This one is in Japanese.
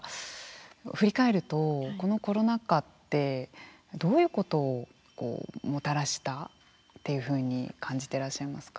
振り返るとこのコロナ禍ってどういうことをもたらしたっていうふうに感じてらっしゃいますか？